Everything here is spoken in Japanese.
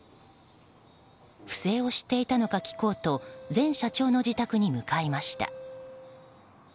不正を知っていたのか聞こうと前社長の自宅に向かいました。